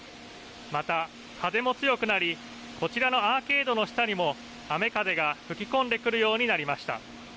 また風も強くなり、こちらのアーケードの下にも雨風が吹き込んでくるようになりました。